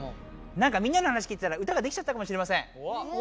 なんかみんなの話聞いてたら歌ができちゃったかもしれません。